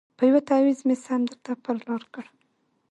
په یوه تعویذ مي سم درته پر لار کړ